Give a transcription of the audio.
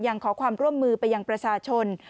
ขอความร่วมมือไปยังประชาชน